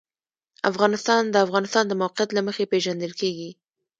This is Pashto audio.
افغانستان د د افغانستان د موقعیت له مخې پېژندل کېږي.